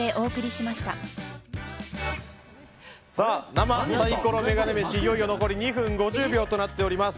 生サイコロメガネ飯いよいよ残り２分５０秒となっています。